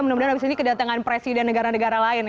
mudah mudahan abis ini kedatangan presiden negara negara lain